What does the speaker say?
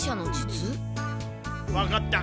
わかった。